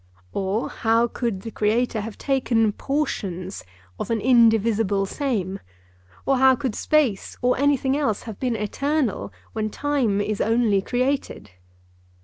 Or, how could the Creator have taken portions of an indivisible same? Or, how could space or anything else have been eternal when time is only created?